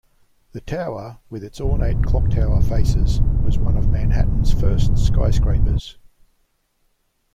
The tower, with its ornate clocktower faces, was one of Manhattan's first skyscrapers.